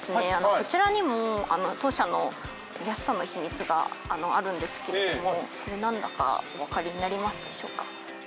こちらにも当社の安さの秘密があるんですけどもそれなんだかおわかりになりますでしょうか？